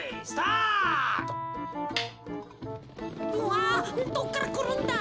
うわどっからくるんだ？